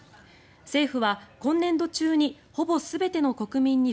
政府は今年度中にほぼ全ての国民に